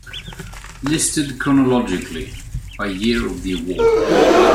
Listed chronologically by year of the award.